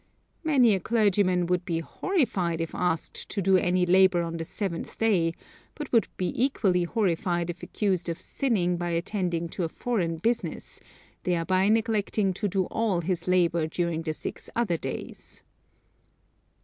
Many a clergyman would be horrified if asked to do any labor on the seventh day; but would be equally horrified if accused of sinning by attending to a foreign business, thereby neglecting to do all his labor during the six other days.